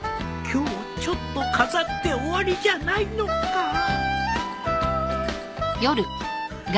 今日ちょっと飾って終わりじゃないのか